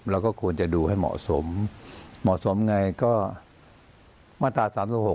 เราก็ควรจะดูให้เหมาะสมเหมาะสมไงก็มาตรา๓๖